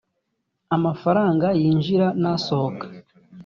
amafaranga yinjira n asohoka